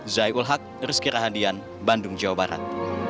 zai ulhak rizky rahadian bandung jawa barat